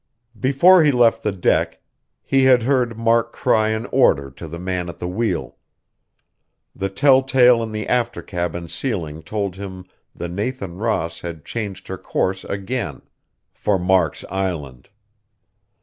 Before he left the deck, he had heard Mark cry an order to the man at the wheel. The telltale in the after cabin ceiling told him the Nathan Ross had changed her course again ... for Mark's island....